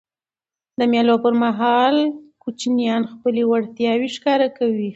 د مېلو پر مهال کوچنيان خپلي وړتیاوي ښکاره کوي.